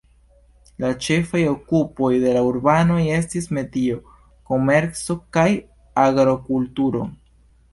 La ĉefaj okupoj de la urbanoj estis metio, komerco kaj agrokulturo.